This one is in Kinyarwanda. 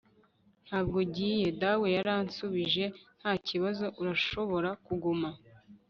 ntabwo ugiye! dawe yaransubije. nta kibazo, urashobora kuguma